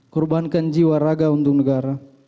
kurbankan jiwa raga untuk negara